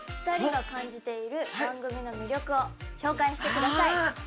「２人が感じている番組の魅力を紹介してください」。